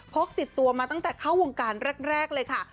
กติดตัวมาตั้งแต่เข้าวงการแรกเลยค่ะ